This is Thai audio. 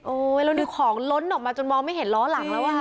โอ้โหแล้วคือของล้นออกมาจนมองไม่เห็นล้อหลังแล้วอ่ะ